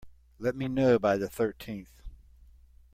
Let me know by the thirteenth.